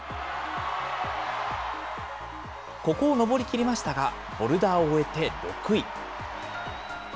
ここを登り切りましたが、ボルダーを終えて６位。